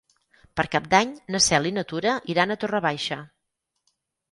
Per Cap d'Any na Cel i na Tura iran a Torre Baixa.